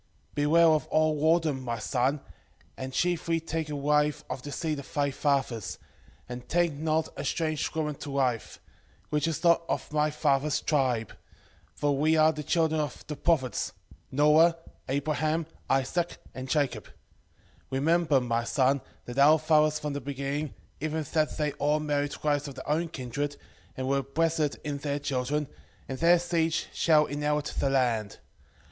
4:12 Beware of all whoredom, my son, and chiefly take a wife of the seed of thy fathers, and take not a strange woman to wife, which is not of thy father's tribe: for we are the children of the prophets, Noe, Abraham, Isaac, and Jacob: remember, my son, that our fathers from the beginning, even that they all married wives of their own kindred, and were blessed in their children, and their seed shall inherit the land.